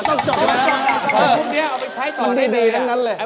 พวกนี้เอาไปใช้ต่อได้เลย